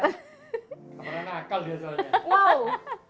gak pernah nakal dia soalnya